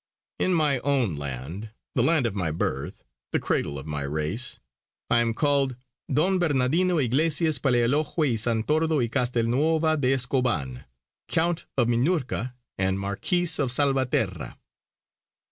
In my own land, the land of my birth, the cradle of my race, I am called Don Bernardino Yglesias Palealogue y Santordo y Castelnuova de Escoban, Count of Minurca and Marquis of Salvaterra!"